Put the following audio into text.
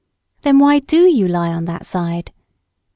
"Then why do you lie on that side?"